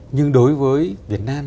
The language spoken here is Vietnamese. nhưng đối với việt nam